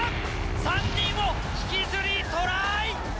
３人を引きずりトライ！